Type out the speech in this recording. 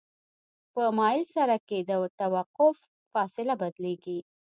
په مایل سرک کې د توقف فاصله بدلیږي